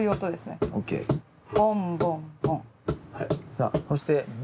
さあそしてＢ。